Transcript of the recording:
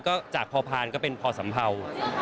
ก็จากพอพานก็เป็นพอสัมเภา